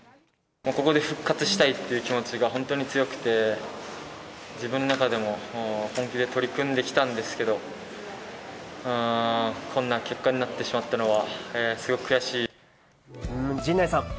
ここで復活したいっていう気持ちが本当に強くて、自分の中でも本気で取り組んできたんですけど、こんな結果になっ陣内さん。